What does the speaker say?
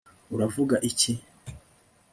uravuga iki